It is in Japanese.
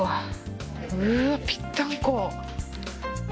うわぴったんこ。